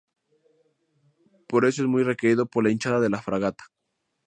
Por eso es muy querido por la hinchada de la fragata.